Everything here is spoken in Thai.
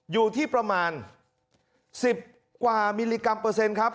อยู่ที่ประมาณ๑๐กว่ามิลลิกรัมเปอร์เซ็นต์ครับ